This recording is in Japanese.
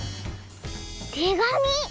てがみ！